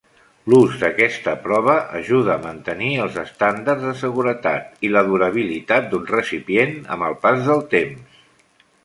L'ús d'aquesta prova ajuda a mantenir els estàndards de seguretat i la durabilitat d'un recipient amb el pas del temps.